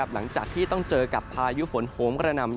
หลังจากที่ต้องเจอกับพายุฝนโหมกระหน่ำ